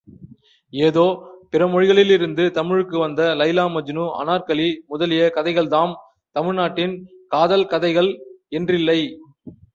ஏதோ பிறமொழிகளிலிருந்து தமிழுக்கு வந்த லைலா மஜ்னூ, அனார்க்கலி முதலிய கதைகள்தாம் தமிழ்நாட்டின் காதல் கதைகள் என்றில்லை.